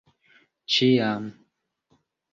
ĉiam